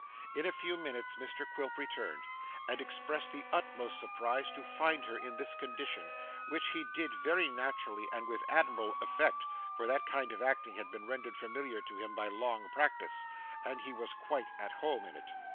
In a few minutes Mr Quilp returned, and expressed the utmost surprise to find her in this condition, which he did very naturally and with admirable effect, for that kind of acting had been rendered familiar to him by long practice, and he was quite at home in it.